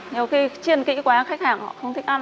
nhiều khi chiên kỹ quá khách hàng họ không thích ăn